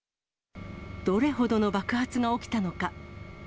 どれほどの爆発が起きたのか。